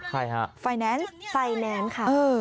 ใครฮะฟัยแนนซ์ฟัยแนนซ์ค่ะเออ